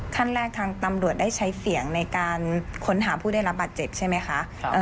ขั้นแรกทางตำรวจได้ใช้เสียงในการค้นหาผู้ได้รับบาดเจ็บใช่ไหมคะ